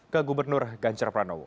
ke gubernur ganjar pranowo